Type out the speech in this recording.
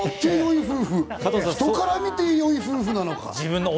人から見てよい夫婦なのか。